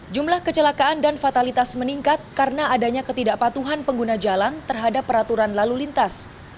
jumlah kecelakaan dan fatalitas meningkat karena adanya ketidakpatuhan pengguna jalan terhadap peraturan lalu lintas